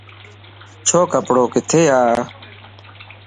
اچو ڪپڙو ڪٿي ا